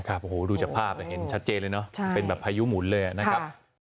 โอ้โหดูจากภาพแต่เห็นชัดเจนเลยเนอะเป็นแบบพายุหมุนเลยนะครับ